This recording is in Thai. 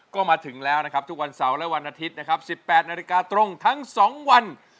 ก็มาถึงแล้วนะครับทุกวันเสาร์และวันอาทิตย์นะครับ๑๘นาฬิกาตรงทั้ง๒วัน